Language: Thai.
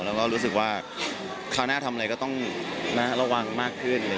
แล้วก็รู้สึกว่าคราวหน้าทำอะไรก็ต้องระวังมากขึ้น